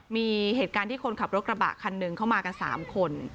มีเหตุการณ์ที่คนขับรถกระบะคันหนึ่งเข้ามากัน๓คน